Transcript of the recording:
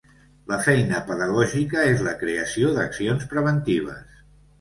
La feina pedagògica és la creació d'accions preventives.